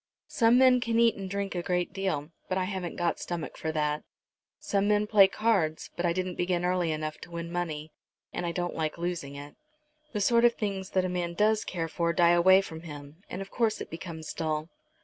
Some men can eat and drink a great deal, but I haven't got stomach for that. Some men play cards; but I didn't begin early enough to win money, and I don't like losing it. The sort of things that a man does care for die away from him, and of course it becomes dull."